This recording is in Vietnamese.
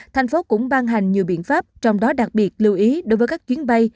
thành phố cũng ban hành nhiều biện pháp trong đó đặc biệt lưu ý đối với các chuyến bay